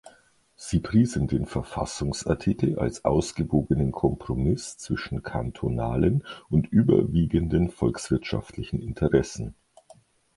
Sie priesen den Verfassungsartikel als ausgewogenen Kompromiss zwischen kantonalen und überwiegenden volkswirtschaftlichen Interessen.